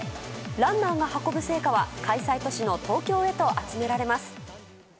ランナーが運ぶ聖火は開催都市の東京へと集められます。